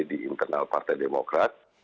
di internal partai demokrat